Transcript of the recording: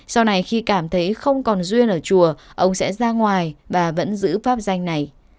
sau này khi cảm thấy không còn duyên ở chùa ông sẽ ra ngoài và vẫn giữ pháp danh này